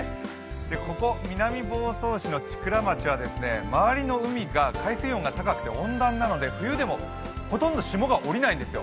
ここ、南房総市の千倉町は周りの海が海水温が高くて温暖なので、冬でもほとんど霜が降りないんですよ。